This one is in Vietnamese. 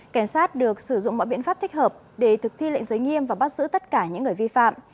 cảnh sát được sử dụng mọi biện pháp thích hợp để thực thi lệnh giới nghiêm và bắt giữ tất cả những người vi phạm